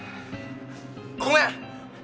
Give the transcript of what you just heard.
「ごめん！